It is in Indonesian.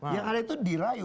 yang ada itu dirayu